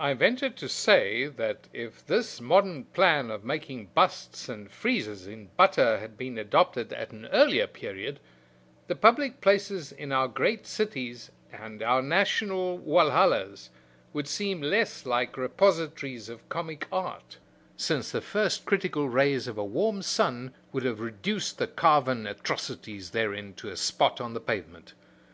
I venture to say that if this modern plan of making busts and friezes in butter had been adopted at an earlier period, the public places in our great cities and our national Walhallas would seem less like repositories of comic art, since the first critical rays of a warm sun would have reduced the carven atrocities therein to a spot on the pavement.